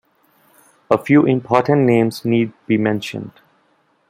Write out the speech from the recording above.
A few important names need be mentioned.